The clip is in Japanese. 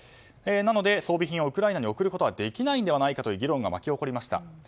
なので、装備品をウクライナに送ることができないのではないかという議論が巻き起こりました。